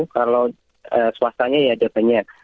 kalau swastanya ya ada banyak